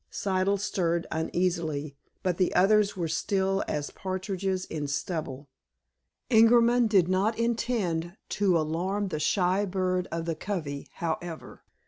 Siddle stirred uneasily, but the others were still as partridges in stubble. Ingerman did not intend to alarm the shy bird of the covey, however.